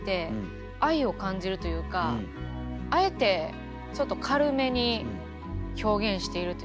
愛を感じるというかあえてちょっと軽めに表現しているというか。